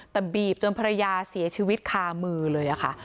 แต่บีบจนภรรยาเสียชีวิตคามือเลยค่ะ